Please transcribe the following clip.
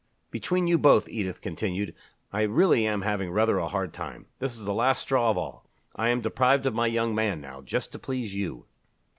"Between you both," Edith continued, "I really am having rather a hard time. This is the last straw of all. I am deprived of my young man now, just to please you."